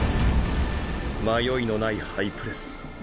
迷いのないハイプレス。